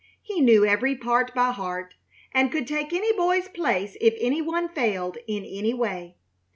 He knew every part by heart, and could take any boy's place if any one failed in any way.